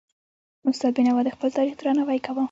استاد بينوا د خپل تاریخ درناوی کاوه.